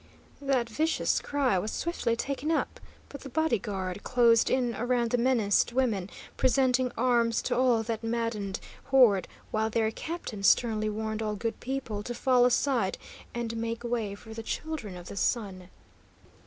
That vicious cry was swiftly taken up, but the body guard closed in around the menaced women, presenting arms to all that maddened horde, while their captain sternly warned all good people to fall aside and make way for the Children of the Sun.